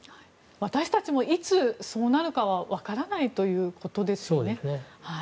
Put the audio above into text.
私たちもいつそうなるか分からないということですね。